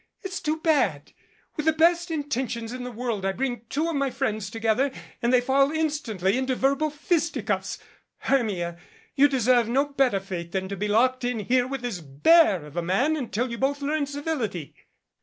"It's too bad. With the best in tentions in the world I bring two of my friends together and they fall instantly into verbal fisticuffs. Hermia, you deserve no better fate than to be locked in here with this bear of a man until you both learn civility."